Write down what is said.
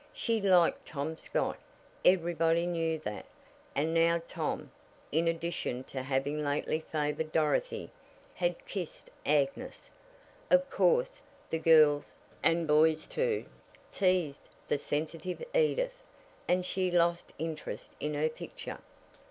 She liked Tom Scott everybody knew that and now Tom, in addition to having lately favored Dorothy, had kissed Agnes! Of course, the girls, and boys too, teased the sensitive Edith, and she lost interest in her picture.